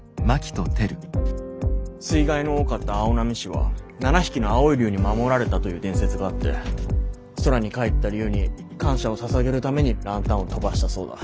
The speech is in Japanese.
水害の多かった青波市は７匹の青い龍に守られたという伝説があって空に帰った龍に感謝をささげるためにランタンを飛ばしたそうだ。